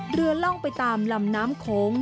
ล่องไปตามลำน้ำโขง